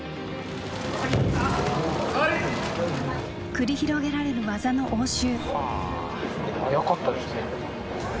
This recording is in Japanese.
繰り広げられる技の応酬。